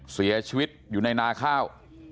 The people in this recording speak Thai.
เสียชีวิตอยู่ในนาข้าว